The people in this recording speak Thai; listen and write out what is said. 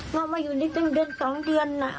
ว่ามึงมาอยู่ที่นี่เป็นเดือน๒เดือนอะ